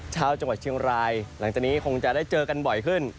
ชาวจังหวัดเชียงรายหลังจากนี้คงจะได้เจอกันบ่อยขึ้น